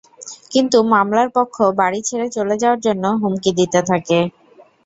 কিন্তু মামলার পক্ষ বাড়ি ছেড়ে চলে যাওয়ার জন্য হুমকি দিতে থাকে।